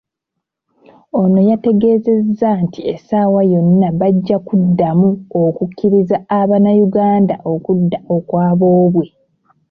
Ono yategeezezza nti essaawa yonna bajja kuddamu okukkiriza Abanayuganda okudda okwa boobwe.